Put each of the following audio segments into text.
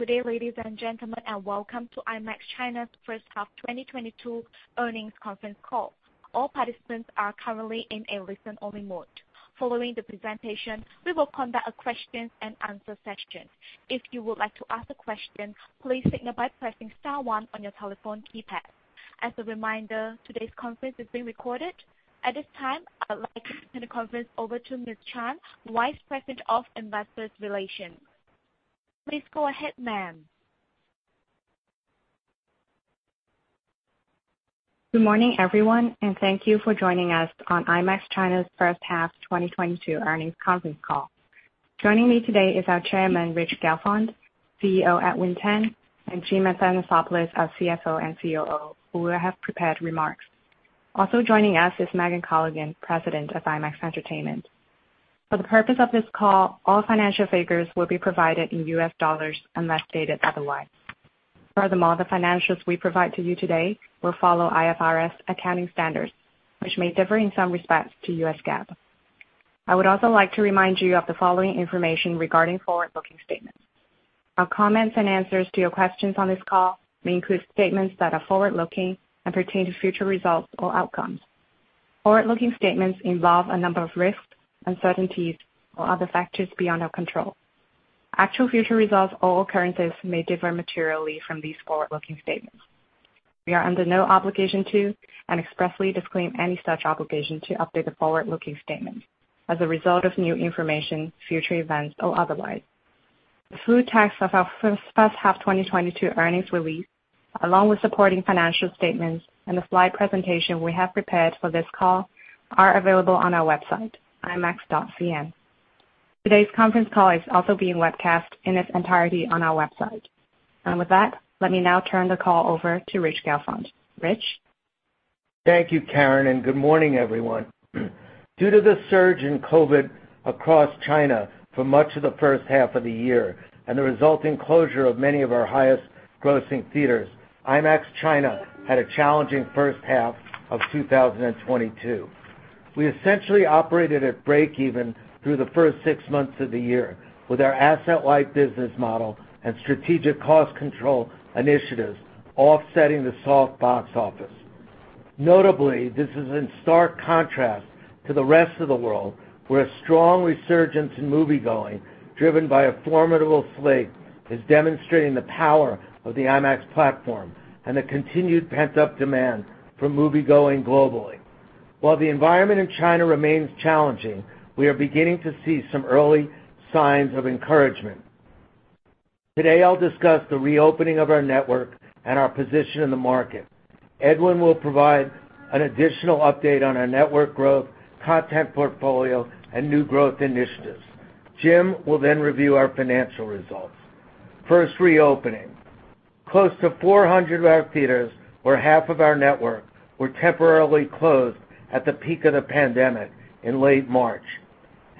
Good day, ladies and gentlemen, and welcome to IMAX China's first half 2022 earnings conference call. All participants are currently in a listen-only mode. Following the presentation, we will conduct a questions and answer session. If you would like to ask a question, please signal by pressing star one on your telephone keypad. As a reminder, today's conference is being recorded. At this time, I would like to turn the conference over to Ms. Chan, Vice President of Investor Relations. Please go ahead, ma'am. Good morning, everyone, and thank you for joining us on IMAX China's first half 2022 earnings conference call. Joining me today is our Chairman, Rich Gelfond, CEO Edwin Tan, and Jim Athanasopoulos, our CFO and COO, who will have prepared remarks. Also joining us is Megan Colligan, President of IMAX Entertainment. For the purpose of this call, all financial figures will be provided in U.S. dollars unless stated otherwise. Furthermore, the financials we provide to you today will follow IFRS accounting standards, which may differ in some respects to U.S. GAAP. I would also like to remind you of the following information regarding forward-looking statements. Our comments and answers to your questions on this call may include statements that are forward-looking and pertain to future results or outcomes. Forward-looking statements involve a number of risks, uncertainties, or other factors beyond our control. Actual future results or occurrences may differ materially from these forward-looking statements. We are under no obligation to and expressly disclaim any such obligation to update the forward-looking statements as a result of new information, future events, or otherwise. The full text of our first half 2022 earnings release, along with supporting financial statements and the slide presentation we have prepared for this call, are available on our website, imax.cn. Today's conference call is also being webcast in its entirety on our website. With that, let me now turn the call over to Rich Gelfond. Rich. Thank you, Karen, and good morning, everyone. Due to the surge in COVID across China for much of the first half of the year and the resulting closure of many of our highest grossing theaters, IMAX China had a challenging first half of 2022. We essentially operated at break-even through the first six months of the year with our asset-light business model and strategic cost control initiatives offsetting the soft box office. Notably, this is in stark contrast to the rest of the world, where a strong resurgence in moviegoing, driven by a formidable slate, is demonstrating the power of the IMAX platform and the continued pent-up demand for moviegoing globally. While the environment in China remains challenging, we are beginning to see some early signs of encouragement. Today, I'll discuss the reopening of our network and our position in the market. Edwin Tan will provide an additional update on our network growth, content portfolio, and new growth initiatives. Jim Athanasopoulos will then review our financial results. First, reopening. Close to 400 of our theaters, or half of our network, were temporarily closed at the peak of the pandemic in late March.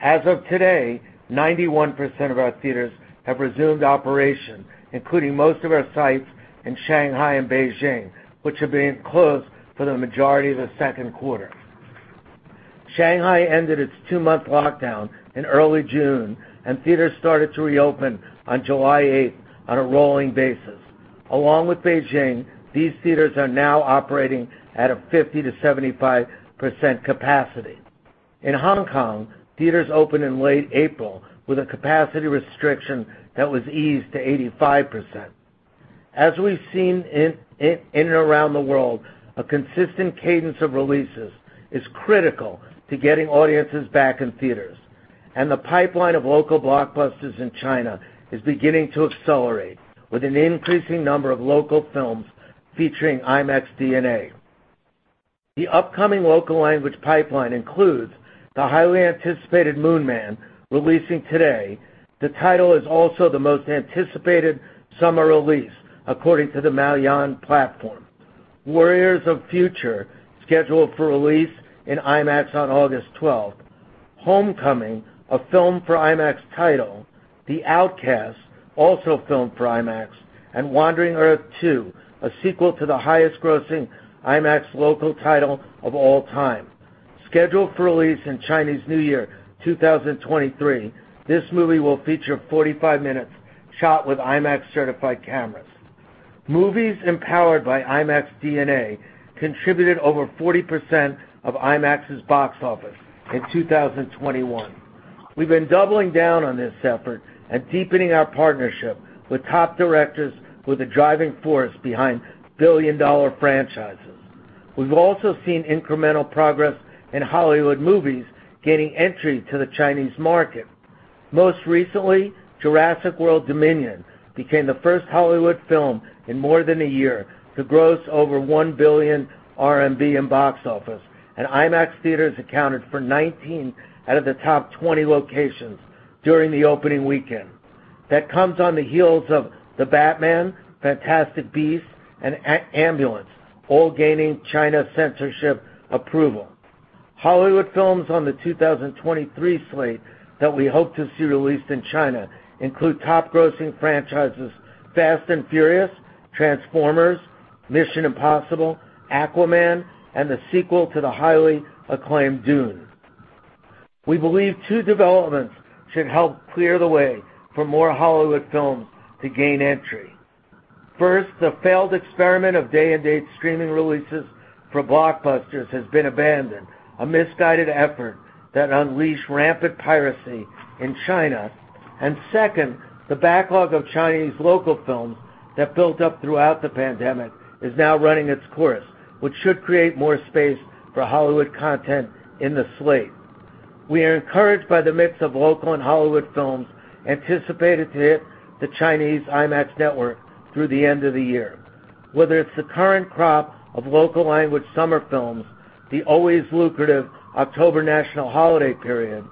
As of today, 91% of our theaters have resumed operation, including most of our sites in Shanghai and Beijing, which had been closed for the majority of the second quarter. Shanghai ended its two-month lockdown in early June, and theaters started to reopen on July eighth on a rolling basis. Along with Beijing, these theaters are now operating at a 50%-75% capacity. In Hong Kong, theaters opened in late April with a capacity restriction that was eased to 85%. As we've seen in and around the world, a consistent cadence of releases is critical to getting audiences back in theaters, and the pipeline of local blockbusters in China is beginning to accelerate with an increasing number of local films featuring IMAX DNA. The upcoming local language pipeline includes the highly anticipated Moon Man, releasing today. The title is also the most anticipated summer release, according to the Maoyan platform. Warriors of Future, scheduled for release in IMAX on August 12. Home Coming, a Filmed for IMAX title. The Outcast, also filmed for IMAX, and The Wandering Earth 2, a sequel to the highest-grossing IMAX local title of all time. Scheduled for release in Chinese New Year 2023, this movie will feature 45 minutes shot with IMAX-certified cameras. Movies empowered by IMAX DNA contributed over 40% of IMAX's box office in 2021. We've been doubling down on this effort and deepening our partnership with top directors who are the driving force behind billion-dollar franchises. We've also seen incremental progress in Hollywood movies gaining entry to the Chinese market. Most recently, Jurassic World Dominion became the first Hollywood film in more than a year to gross over 1 billion RMB in box office, and IMAX theaters accounted for 19 out of the top 20 locations during the opening weekend. That comes on the heels of The Batman, Fantastic Beasts, and Ambulance, all gaining China censorship approval. Hollywood films on the 2023 slate that we hope to see released in China include top grossing franchises Fast & Furious, Transformers, Mission: Impossible, Aquaman, and the sequel to the highly acclaimed Dune. We believe two developments should help clear the way for more Hollywood films to gain entry. First, the failed experiment of day-and-date streaming releases for blockbusters has been abandoned, a misguided effort that unleashed rampant piracy in China. Second, the backlog of Chinese local films that built up throughout the pandemic is now running its course, which should create more space for Hollywood content in the slate. We are encouraged by the mix of local and Hollywood films anticipated to hit the Chinese IMAX network through the end of the year, whether it's the current crop of local language summer films, the always lucrative October national holiday period,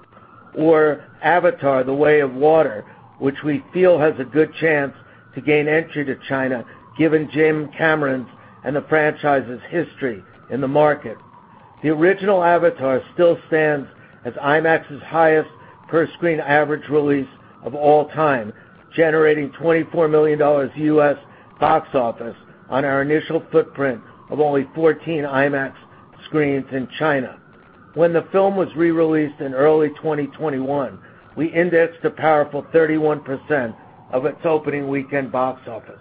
or Avatar: The Way of Water, which we feel has a good chance to gain entry to China, given James Cameron's and the franchise's history in the market. The original Avatar still stands as IMAX's highest per-screen average release of all time, generating $24 million U.S. box office on our initial footprint of only 14 IMAX screens in China. When the film was re-released in early 2021, we indexed a powerful 31% of its opening weekend box office.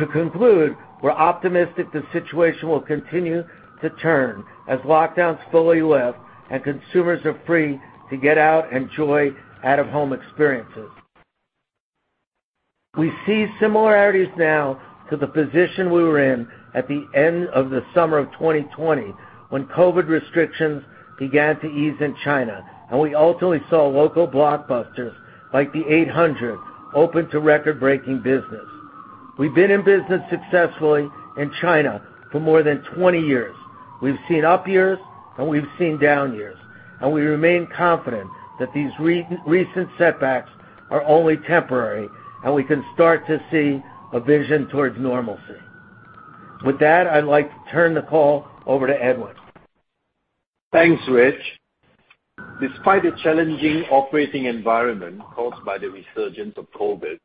To conclude, we're optimistic the situation will continue to turn as lockdowns fully lift and consumers are free to get out and enjoy out-of-home experiences. We see similarities now to the position we were in at the end of the summer of 2020, when COVID restrictions began to ease in China, and we ultimately saw local blockbusters like The Eight Hundred open to record-breaking business. We've been in business successfully in China for more than 20 years. We've seen up years, and we've seen down years, and we remain confident that these recent setbacks are only temporary, and we can start to see a vision towards normalcy. With that, I'd like to turn the call over to Edwin. Thanks, Rich. Despite the challenging operating environment caused by the resurgence of COVID,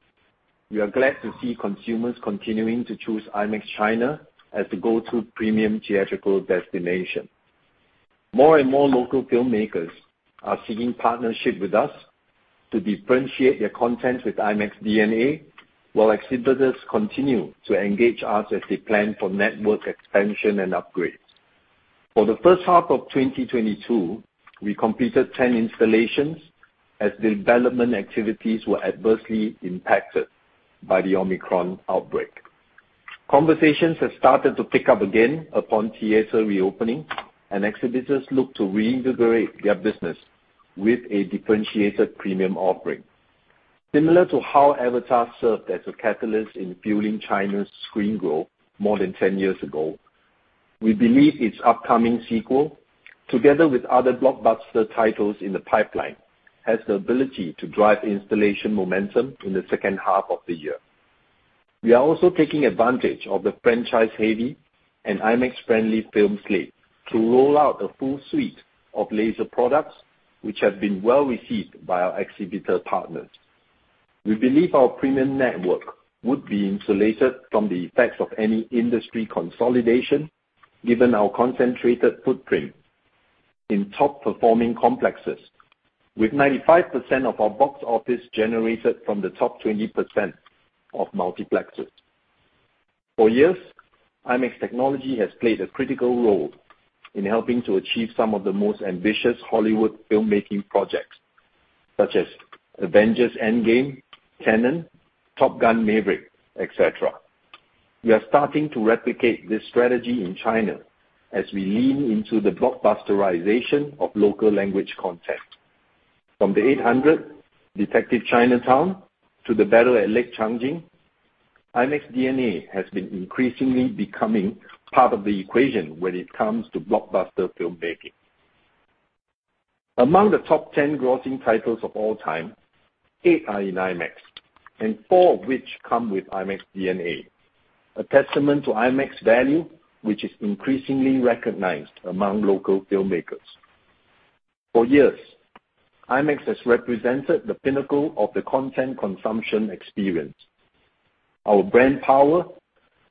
we are glad to see consumers continuing to choose IMAX China as the go-to premium theatrical destination. More and more local filmmakers are seeking partnership with us to differentiate their content with IMAX DNA, while exhibitors continue to engage us as they plan for network expansion and upgrades. For the first half of 2022, we completed 10 installations as development activities were adversely impacted by the Omicron outbreak. Conversations have started to pick up again upon theater reopening, and exhibitors look to reinvigorate their business with a differentiated premium offering. Similar to how Avatar served as a catalyst in fueling China's screen growth more than 10 years ago, we believe its upcoming sequel, together with other blockbuster titles in the pipeline, has the ability to drive installation momentum in the second half of the year. We are also taking advantage of the franchise-heavy and IMAX-friendly film slate to roll out a full suite of laser products, which have been well-received by our exhibitor partners. We believe our premium network would be insulated from the effects of any industry consolidation, given our concentrated footprint in top-performing complexes, with 95% of our box office generated from the top 20% of multiplexes. For years, IMAX technology has played a critical role in helping to achieve some of the most ambitious Hollywood filmmaking projects, such as Avengers: Endgame, Tenet, Top Gun: Maverick, et cetera. We are starting to replicate this strategy in China as we lean into the blockbusterization of local language content. From The Eight Hundred, Detective Chinatown, to The Battle at Lake Changjin, IMAX DNA has been increasingly becoming part of the equation when it comes to blockbuster filmmaking. Among the top 10 grossing titles of all time, 8 are in IMAX, and 4 of which come with IMAX DNA, a testament to IMAX value, which is increasingly recognized among local filmmakers. For years, IMAX has represented the pinnacle of the content consumption experience. Our brand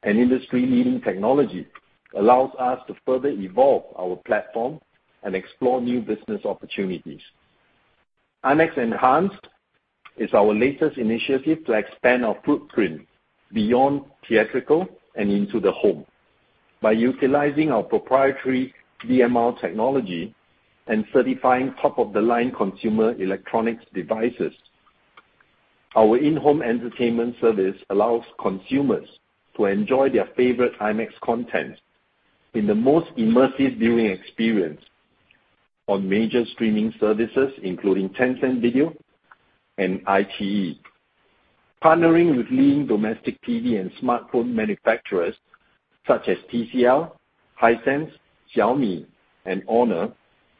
power and industry-leading technology allows us to further evolve our platform and explore new business opportunities. IMAX Enhanced is our latest initiative to expand our footprint beyond theatrical and into the home. By utilizing our proprietary DMR technology and certifying top-of-the-line consumer electronics devices, our in-home entertainment service allows consumers to enjoy their favorite IMAX content in the most immersive viewing experience on major streaming services, including Tencent Video and iQIYI. Partnering with leading domestic TV and smartphone manufacturers such as TCL, Hisense, Xiaomi, and Honor,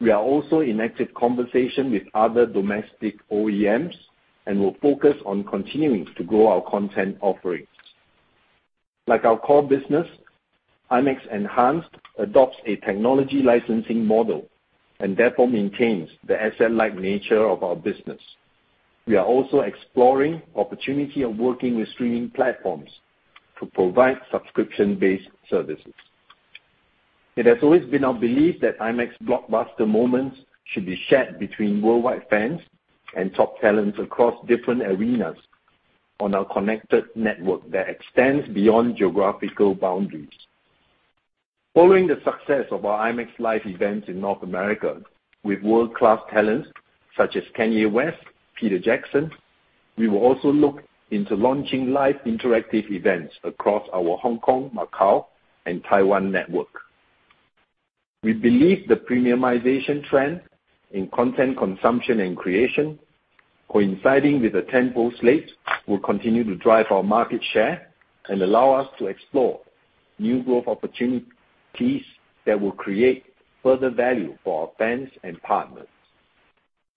we are also in active conversation with other domestic OEMs and will focus on continuing to grow our content offerings. Like our core business, IMAX Enhanced adopts a technology licensing model and therefore maintains the asset-light nature of our business. We are also exploring opportunity of working with streaming platforms to provide subscription-based services. It has always been our belief that IMAX blockbuster moments should be shared between worldwide fans and top talents across different arenas on our connected network that extends beyond geographical boundaries. Following the success of our IMAX Live events in North America with world-class talents such as Kanye West, Peter Jackson, we will also look into launching live interactive events across our Hong Kong, Macau, and Taiwan network. We believe the premiumization trend in content consumption and creation coinciding with the tentpole slate will continue to drive our market share and allow us to explore new growth opportunities that will create further value for our fans and partners.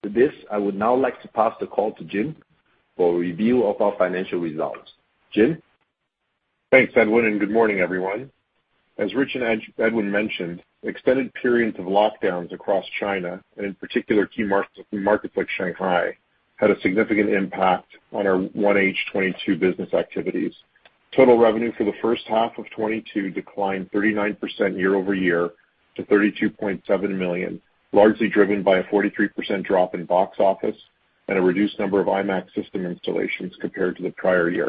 To this, I would now like to pass the call to Jim for a review of our financial results. Jim. Thanks, Edwin, and good morning, everyone. As Rich and Edwin mentioned, extended periods of lockdowns across China, and in particular key markets like Shanghai, had a significant impact on our 1H 2022 business activities. Total revenue for the first half of 2022 declined 39% year-over-year to $32.7 million, largely driven by a 43% drop in box office and a reduced number of IMAX system installations compared to the prior year.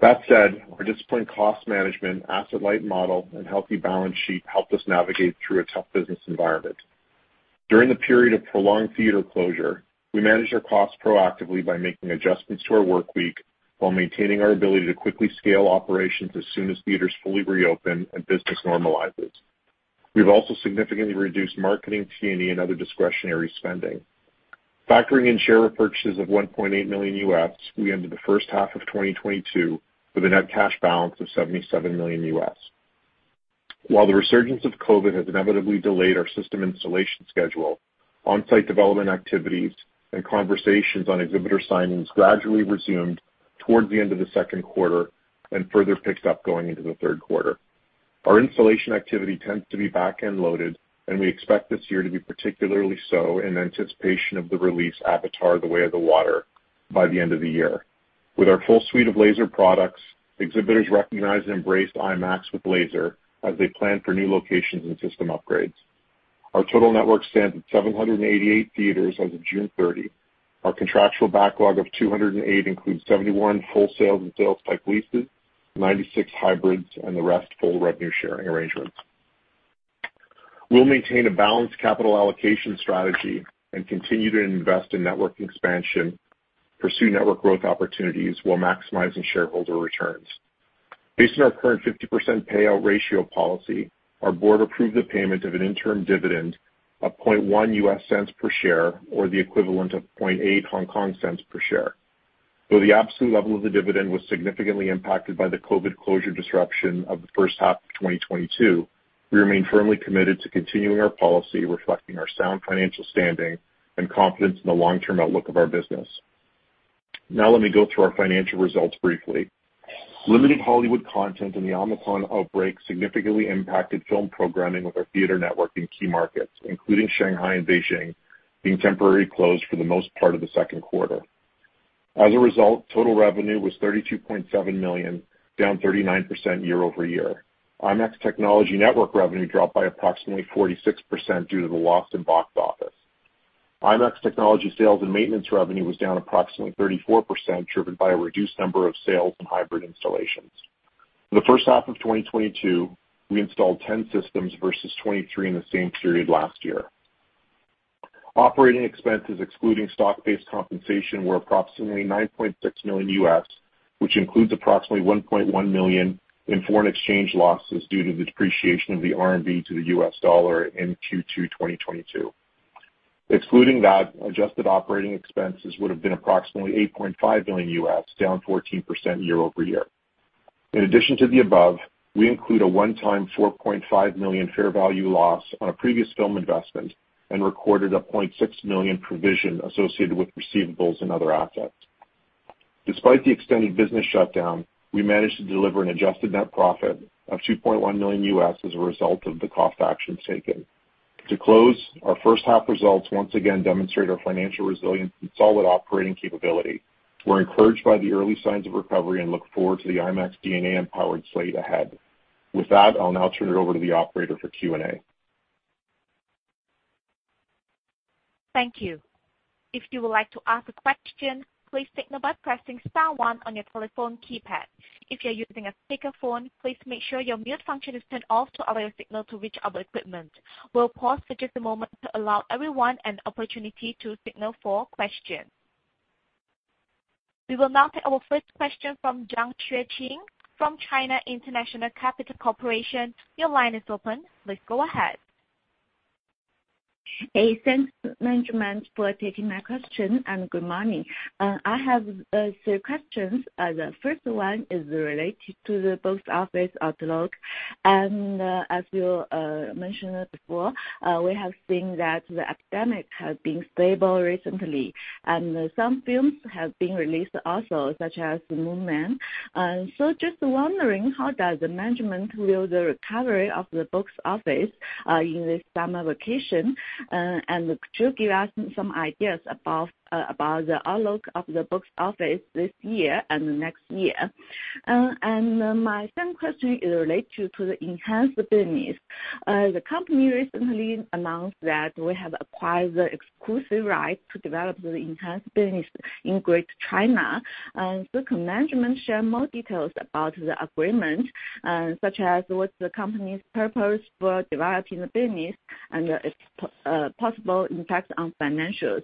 That said, our disciplined cost management, asset-light model, and healthy balance sheet helped us navigate through a tough business environment. During the period of prolonged theater closure, we managed our costs proactively by making adjustments to our workweek while maintaining our ability to quickly scale operations as soon as theaters fully reopen and business normalizes. We've also significantly reduced marketing, T&E and other discretionary spending. Factoring in share repurchases of $1.8 million, we ended the first half of 2022 with a net cash balance of $77 million. While the resurgence of COVID has inevitably delayed our system installation schedule, on-site development activities and conversations on exhibitor signings gradually resumed towards the end of the second quarter and further picked up going into the third quarter. Our installation activity tends to be back-end loaded, and we expect this year to be particularly so in anticipation of the release of Avatar: The Way of Water by the end of the year. With our full suite of laser products, exhibitors recognize and embrace IMAX with Laser as they plan for new locations and system upgrades. Our total network stands at 788 theaters as of June 30. Our contractual backlog of 208 includes 71 full sales and sales-type leases, 96 hybrids and the rest full revenue sharing arrangements. We'll maintain a balanced capital allocation strategy and continue to invest in network expansion, pursue network growth opportunities while maximizing shareholder returns. Based on our current 50% payout ratio policy, our board approved the payment of an interim dividend of $0.001 per share or the equivalent of HK$0.008 per share. Though the absolute level of the dividend was significantly impacted by the COVID closure disruption of the first half of 2022, we remain firmly committed to continuing our policy, reflecting our sound financial standing and confidence in the long-term outlook of our business. Now let me go through our financial results briefly. Limited Hollywood content and the Omicron outbreak significantly impacted film programming of our theater network in key markets, including Shanghai and Beijing being temporarily closed for the most part of the second quarter. As a result, total revenue was $32.7 million, down 39% year-over-year. IMAX technology network revenue dropped by approximately 46% due to the loss in box office. IMAX technology sales and maintenance revenue was down approximately 34%, driven by a reduced number of sales and hybrid installations. In the first half of 2022, we installed 10 systems versus 23 in the same period last year. Operating expenses excluding stock-based compensation were approximately $9.6 million, which includes approximately $1.1 million in foreign exchange losses due to the depreciation of the RMB to the U.S. dollar in Q2 2022. Excluding that, adjusted operating expenses would have been approximately $8.5 million, down 14% year-over-year. In addition to the above, we include a one-time $4.5 million fair value loss on a previous film investment and recorded a $0.6 million provision associated with receivables and other assets. Despite the extended business shutdown, we managed to deliver an adjusted net profit of $2.1 million as a result of the cost actions taken. To close, our first half results once again demonstrate our financial resilience and solid operating capability. We're encouraged by the early signs of recovery and look forward to the IMAX DNA-empowered slate ahead. With that, I'll now turn it over to the operator for Q&A. Thank you. If you would like to ask a question, please signal by pressing star 1 on your telephone keypad. If you're using a speakerphone, please make sure your mute function is turned off to allow your signal to reach our equipment. We'll pause for just a moment to allow everyone an opportunity to signal for questions. We will now take our first question from Xueqing Zhang from China International Capital Corporation. Your line is open. Please go ahead. Hey, thanks, management, for taking my question, and good morning. I have three questions. The first one is related to the box office outlook. As you mentioned before, we have seen that the epidemic has been stable recently and some films have been released also such as Moon Man. Just wondering, how does the management view the recovery of the box office in the summer vacation and could you give us some ideas about the outlook of the box office this year and the next year? My second question is related to the IMAX Enhanced business. The company recently announced that we have acquired the exclusive right to develop the IMAX Enhanced business in Greater China. Can management share more details about the agreement such as what's the company's purpose for developing the business and the possible impact on financials?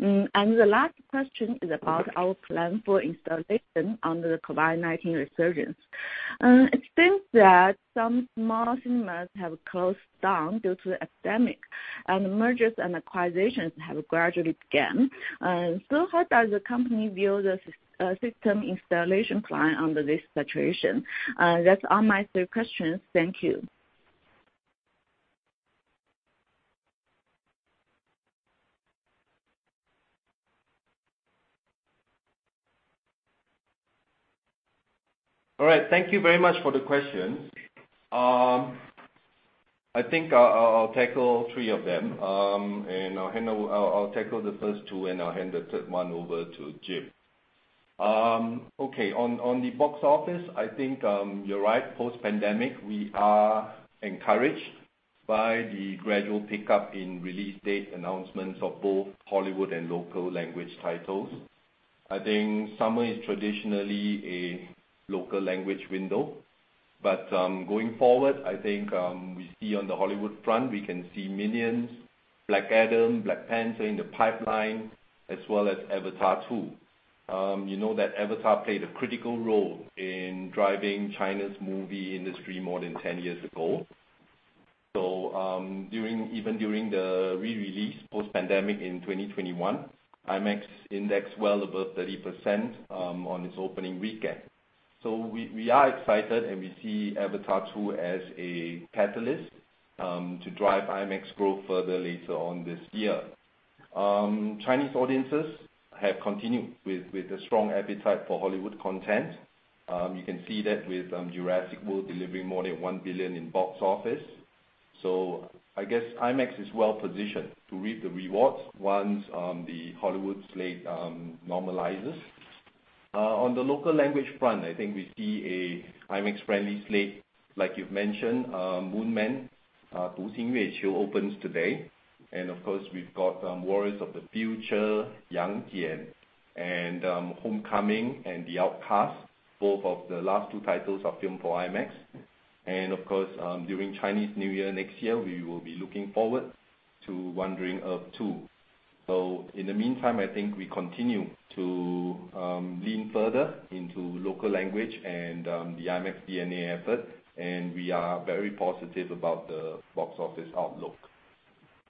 The last question is about our plan for installation under the COVID-19 resurgence. It seems that some mall cinemas have closed down due to the epidemic, and mergers and acquisitions have gradually began. How does the company view the system installation plan under this situation? That's all my three questions. Thank you. All right. Thank you very much for the questions. I think I'll tackle three of them, and I'll tackle the first two, and I'll hand the third one over to Jim. Okay. On the box office, I think you're right. Post-pandemic, we are encouraged by the gradual pickup in release date announcements of both Hollywood and local language titles. I think summer is traditionally a local language window. Going forward, I think we see on the Hollywood front, we can see Minions, Black Adam, Black Panther in the pipeline, as well as Avatar 2. You know that Avatar played a critical role in driving China's movie industry more than 10 years ago. Even during the re-release post-pandemic in 2021, IMAX indexed well above 30% on its opening weekend. We are excited, and we see Avatar 2 as a catalyst to drive IMAX growth further later on this year. Chinese audiences have continued with a strong appetite for Hollywood content. You can see that with Jurassic World delivering more than 1 billion in box office. I guess IMAX is well-positioned to reap the rewards once the Hollywood slate normalizes. On the local language front, I think we see an IMAX-friendly slate, like you've mentioned, Moon Man, Duxing Yueqiu opens today. We've got Warriors of Future, Yang Jian, and Homecoming and The Outcast, both of the last two titles are filmed for IMAX. During Chinese New Year next year, we will be looking forward to The Wandering Earth 2. In the meantime, I think we continue to lean further into local language and the IMAX DNA effort, and we are very positive about the box office outlook.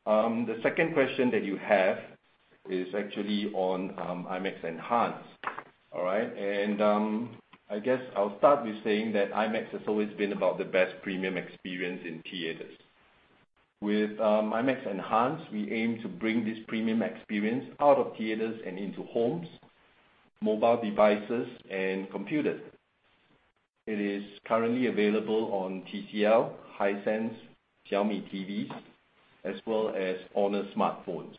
The second question that you have is actually on IMAX Enhanced. All right. I guess I'll start with saying that IMAX has always been about the best premium experience in theaters. With IMAX Enhanced, we aim to bring this premium experience out of theaters and into homes, mobile devices, and computers. It is currently available on TCL, Hisense, Xiaomi TVs, as well as Honor smartphones.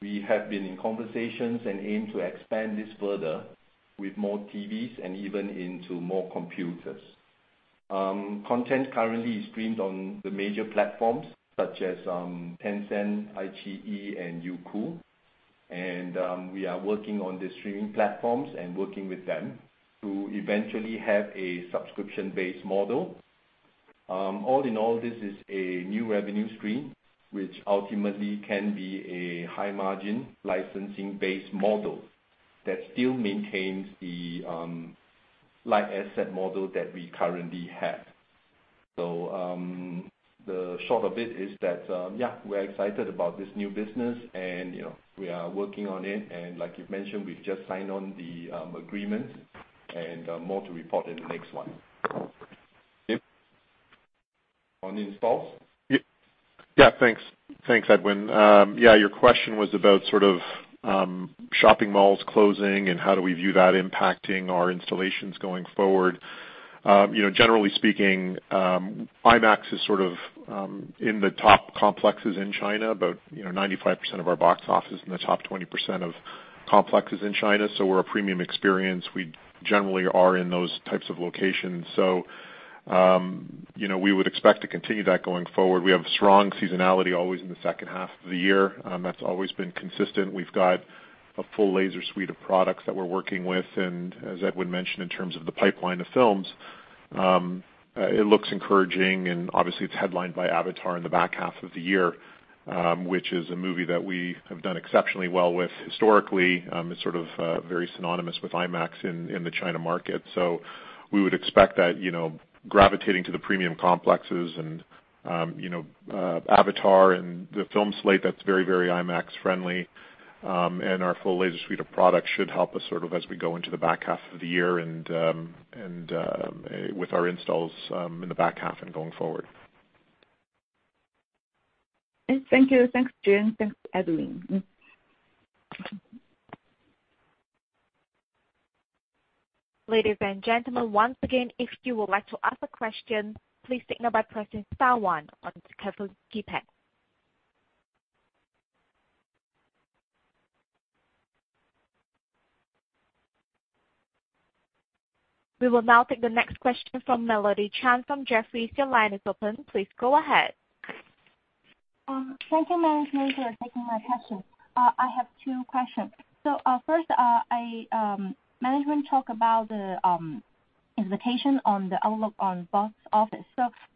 We have been in conversations and aim to expand this further with more TVs and even into more computers. Content currently is streamed on the major platforms such as Tencent, iQIYI, and Youku. We are working on the streaming platforms and working with them to eventually have a subscription-based model. All in all, this is a new revenue stream, which ultimately can be a high-margin, licensing-based model that still maintains the light asset model that we currently have. The short of it is that yeah, we're excited about this new business and, you know, we are working on it. Like you've mentioned, we've just signed on the agreement and more to report in the next one. Jim. On installs. Yeah. Thanks, Edwin. Yeah, your question was about sort of shopping malls closing and how we view that impacting our installations going forward. You know, generally speaking, IMAX is sort of in the top complexes in China. About, you know, 95% of our box office in the top 20% of complexes in China. We're a premium experience. We generally are in those types of locations. You know, we would expect to continue that going forward. We have strong seasonality always in the second half of the year. That's always been consistent. We've got a full laser suite of products that we're working with, and as Edwin mentioned, in terms of the pipeline of films, it looks encouraging, and obviously it's headlined by Avatar in the back half of the year, which is a movie that we have done exceptionally well with historically. It's sort of very synonymous with IMAX in the China market. We would expect that, you know, gravitating to the premium complexes and, you know, Avatar and the film slate, that's very, very IMAX friendly. Our full laser suite of products should help us sort of as we go into the back half of the year and with our installs in the back half and going forward. Thank you. Thanks, Jim. Thanks, Edwin Tan. Ladies and gentlemen, once again, if you would like to ask a question, please signal by pressing star 1 on your telephone keypad. We will now take the next question from Melody Chan from Jefferies. Your line is open. Please go ahead. Thank you, management, for taking my question. I have two questions. First, management talk about the information on the outlook on box office.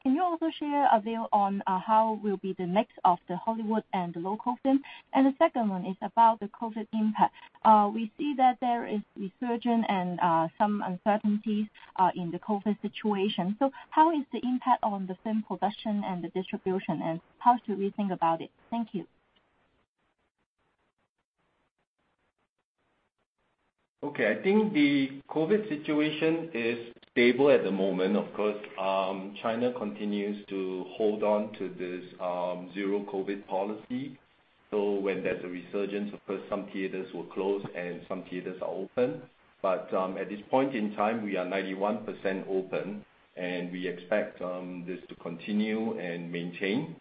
Can you also share a view on how it will be for the next of the Hollywood and local film? The second one is about the COVID impact. We see that there is resurgence and some uncertainties in the COVID situation. How is the impact on the film production and the distribution, and how should we think about it? Thank you. Okay. I think the COVID situation is stable at the moment. Of course, China continues to hold on to this, zero COVID policy. When there's a resurgence, of course, some theaters will close and some theaters are open. At this point in time, we are 91% open, and we expect this to continue and maintain.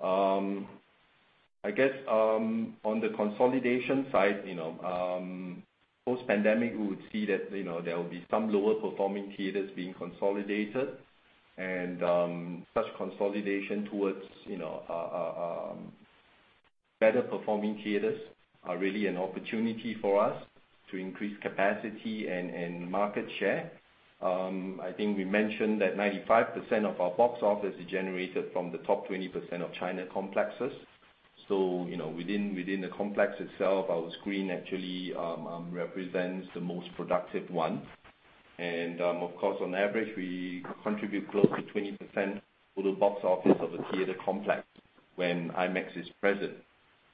I guess, on the consolidation side, you know, post-pandemic, we would see that, you know, there will be some lower performing theaters being consolidated. Such consolidation towards, you know, better performing theaters are really an opportunity for us to increase capacity and market share. I think we mentioned that 95% of our box office is generated from the top 20% of China complexes. You know, within the complex itself, our screen actually represents the most productive one. Of course, on average, we contribute close to 20% for the box office of a theater complex when IMAX is present.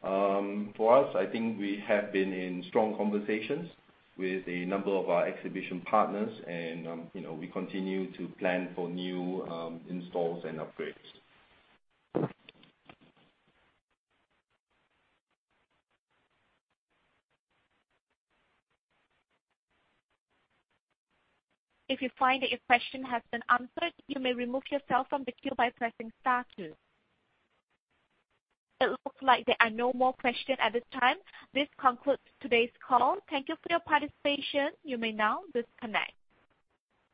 For us, I think we have been in strong conversations with a number of our exhibition partners and, you know, we continue to plan for new installs and upgrades. If you find that your question has been answered, you may remove yourself from the queue by pressing star two. It looks like there are no more questions at this time. This concludes today's call. Thank you for your participation. You may now disconnect.